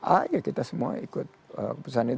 a ya kita semua ikut keputusan itu